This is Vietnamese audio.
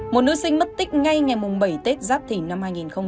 một nữ sinh mất tích ngay ngày bảy tết giáp thìn năm hai nghìn hai mươi bốn